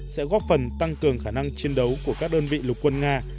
sẽ góp phần tăng cường khả năng chiến đấu của các đơn vị lục quân nga